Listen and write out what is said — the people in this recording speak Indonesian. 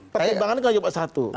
pertimbangan itu hanya satu